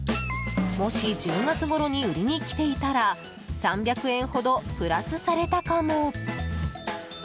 もし１０月ごろに売りに来ていたら３００円ほどプラスされたかも。